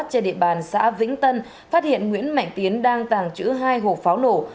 trên địa bàn xã vĩnh tân phát hiện nguyễn mạnh tiến đang tàng trữ hai hộp pháo nổ